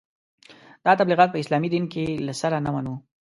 دا تبلیغات په اسلامي دین کې له سره نه وو.